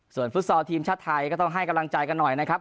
ส่วนฟุตซอลทีมชาติไทยก็ต้องให้กำลังใจกันหน่อยนะครับ